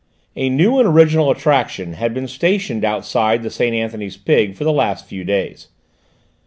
A new and original attraction had been stationed outside the Saint Anthony's Pig for the last few days.